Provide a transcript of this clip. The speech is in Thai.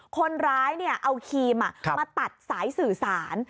คนร้ายเอาครีมมาตัดสายสื่อสาร